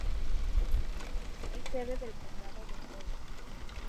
Es sede del condado de Polk.